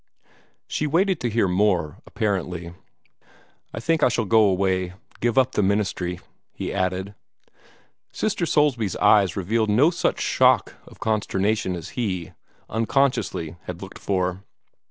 She waited to hear more, apparently. "I think I shall go away give up the ministry," he added. Sister Soulsby's eyes revealed no such shock of consternation as he, unconsciously, had looked for.